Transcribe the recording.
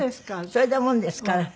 それだもんですから。